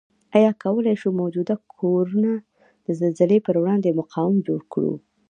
آیا کوای شو موجوده کورنه د زلزلې پروړاندې مقاوم جوړ کړو؟